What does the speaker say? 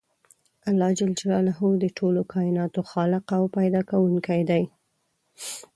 الله ج د ټولو کایناتو خالق او پیدا کوونکی دی .